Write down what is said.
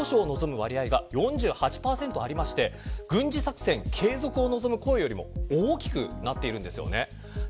実に和平交渉を望む割合が４８％あって軍事作戦継続を望む声よりも大きくなっているんです。